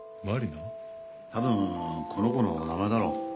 たぶんこの子の名前だろう。